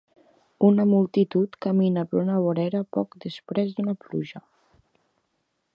Una multitud camina per una vorera poc després d"una pluja.